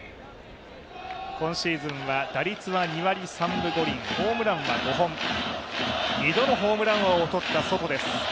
今シーズンは打率２割３分５厘、ホームランは５本、２度のホームラン王を取ったソトです。